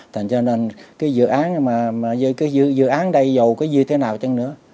thành cho nên cái dự án mà cái dự án đây dầu cái gì thế nào chẳng nữa